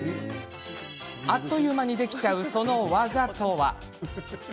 あっという間にできちゃうその技とは。